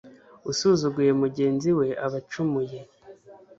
Usuzuguye mugenzi we aba acumuye